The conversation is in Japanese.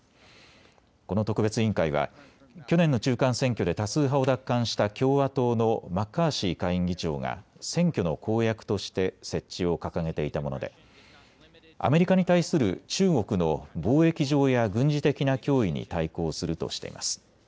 この特別委員会は去年の中間選挙で多数派を奪還した共和党のマッカーシー下院議長が選挙の公約として設置を掲げていたもので、アメリカに対する中国の貿易上や軍事的な脅威に対抗するとしています。